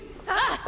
ああ！